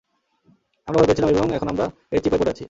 আমরা ভয় পেয়েছিলাম এবং এখন আমরা এর চিপায় পড়ে গেছি।